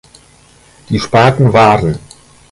Die Sparten waren